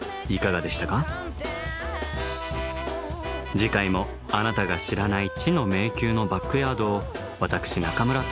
次回もあなたが知らない「知の迷宮のバックヤード」を私中村倫也がご案内いたします。